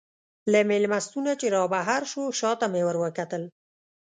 له مېلمستون نه چې رابهر شوو، شا ته مې وروکتل.